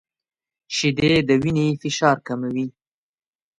• شیدې د وینې فشار کموي.